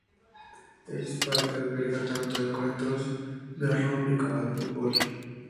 Ellis Park alberga tanto encuentros de rugby como de fútbol.